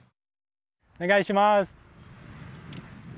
お願いします。